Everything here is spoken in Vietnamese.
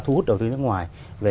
thu hút đầu tư nước ngoài